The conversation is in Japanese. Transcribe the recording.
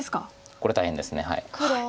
これ大変です。